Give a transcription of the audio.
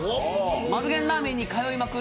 丸源ラーメンに通いまくる